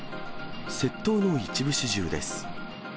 窃盗の一部始終です。